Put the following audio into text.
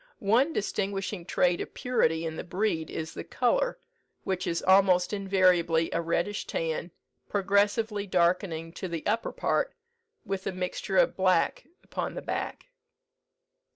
One distinguishing trait of purity in the breed is the colour, which is almost invariably a reddish tan, progressively darkening to the upper part, with a mixture of black upon the back.